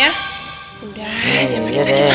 udah jangan sakit sakit lah